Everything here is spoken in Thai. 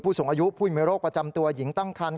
ผู้สูงอายุผู้ยังไม่โรคประจำตัวหญิงตั้งครรภ์